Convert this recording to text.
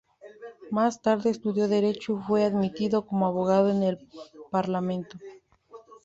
Más tarde estudió Derecho y fue admitido como abogado en el parlamento.